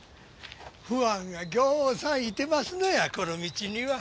ファンがぎょうさんいてますのやこの道には。